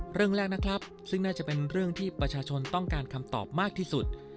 เรื่องแรกนะครับซึ่งน่าจะเป็นเรื่องที่ประชาชนต้องการคำตอบมากที่สุด